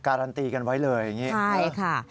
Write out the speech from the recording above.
การันตีกันไว้เลยอย่างนี้ใช่ค่ะ